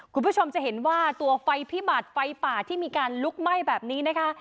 คุณผู้ชมจะเห็นว่าตัวไฟพิบัติไฟป่าที่มีการลุกไหม้แบบนี้นะคะ